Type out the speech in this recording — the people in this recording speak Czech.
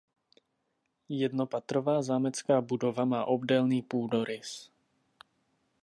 Jednopatrová zámecká budova má obdélný půdorys.